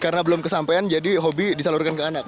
karena belum kesampean jadi hobi disalurkan ke anak